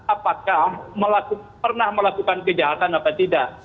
apakah pernah melakukan kejahatan apa tidak